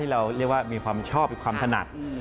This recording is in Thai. เราเรียกว่ามีความชอบมีความถนัด